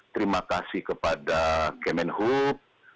terima kasih kepada kemen hub